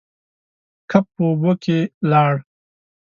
کب په اوبو کې لاړ.